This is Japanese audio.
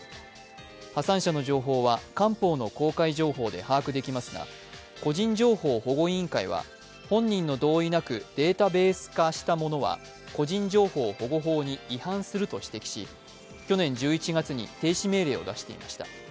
破産者の情報は官報の公開情報で把握できますが個人情報保護委員会は本人の同意なくデータベース化したものは個人情報保護法に違反すると指摘し、去年１１月に停止命令を出していました。